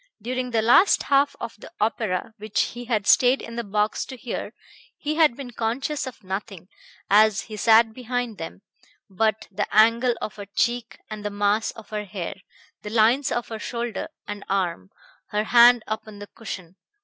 During the last half of the opera, which he had stayed in the box to hear, he had been conscious of nothing, as he sat behind them, but the angle of her cheek and the mass of her hair, the lines of her shoulder and arm, her hand upon the cushion.